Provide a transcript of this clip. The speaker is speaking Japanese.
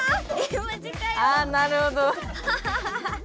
あなるほど。